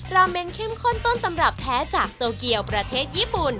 ราเมงเข้มข้นต้นตำรับแท้จากโตเกียวประเทศญี่ปุ่น